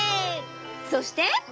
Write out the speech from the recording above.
そして。